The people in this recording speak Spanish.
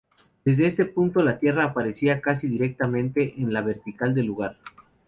Desde este punto la Tierra aparecería casi directamente en la vertical del lugar.